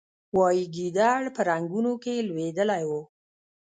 وایي ګیدړ په رنګونو کې لوېدلی و.